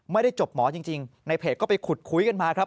ไม่ได้จบหมอจริงในเพจก็ไปขุดคุยกันมาครับ